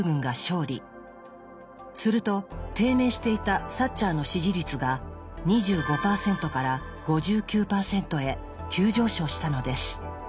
すると低迷していたサッチャーの支持率が２５％から５９％へ急上昇したのです。